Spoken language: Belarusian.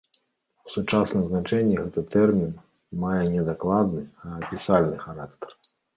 У сучасным значэнні гэты тэрмін мае не дакладны, а апісальны характар.